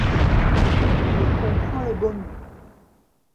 Il comprend le bomu.